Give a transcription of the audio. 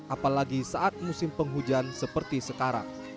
apalagi saat musim penghujan seperti sekarang